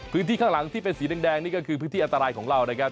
ข้างหลังที่เป็นสีแดงนี่ก็คือพื้นที่อันตรายของเรานะครับ